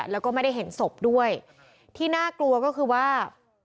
แล้วก็ไม่ได้เห็นศพด้วยที่น่ากลัวก็คือว่า